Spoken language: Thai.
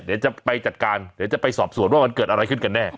เดี๋ยวจะไปจัดการเดี๋ยวจะไปสอบสวนว่ามันเกิดอะไรขึ้นกันแน่